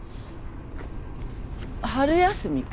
春休みか。